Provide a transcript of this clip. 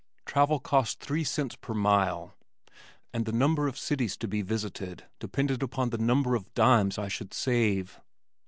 Travel cost three cents per mile, and the number of cities to be visited depended upon the number of dimes I should save.